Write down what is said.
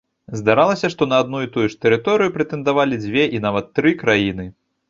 Здаралася, што на адну і тую ж тэрыторыю прэтэндавалі дзве і нават тры краіны.